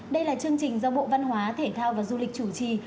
đây là chương trình do bộ văn hóa thể thao và du lịch chủ trì